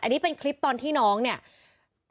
อันนี้เป็นคลิปตอนที่น้องเนี่ย